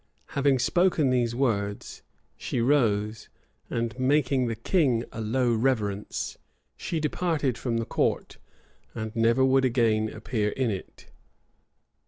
[*] Having spoken these words, she rose, and making the king a low reverence, she departed from the court, and never would again appear in it.